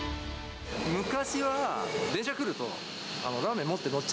昔は電車来ると、えっ？